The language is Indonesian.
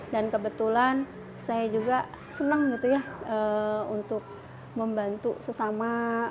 dan kebetulan saya juga senang gitu ya untuk membantu sesama